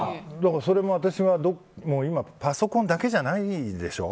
それも、今パソコンだけじゃないでしょ。